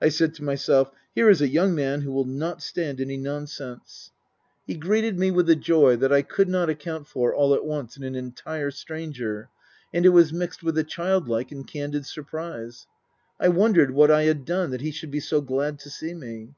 I said to myself :" Here is a young man who will not stand any nonsense." Book I : My Book 39 He greeted me with a joy that I could not account for all at once in an entire stranger, and it was mixed with a childlike and candid surprise. I wondered what I had done that he should be so glad to see me.